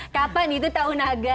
kapan itu tahun naga